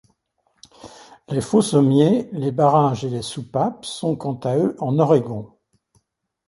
Les faux-sommiers, les barrages et les soupapes sont, quant à eux, en orégon.